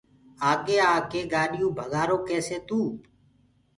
آگي آڪي گآڏيو ڀگآرو ڪيسي تو